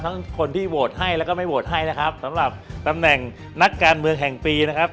คนที่โหวตให้แล้วก็ไม่โหวตให้นะครับสำหรับตำแหน่งนักการเมืองแห่งปีนะครับ